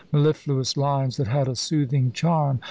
Mellifluous lines that had a soothing charm.